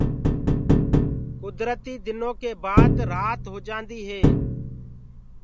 گُدرتي دنو ڪي بآد رآت هوجآندي هي۔